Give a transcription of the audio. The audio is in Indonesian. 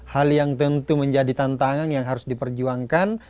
hal yang tentu menjadi tantangan yang harus diperjuangkan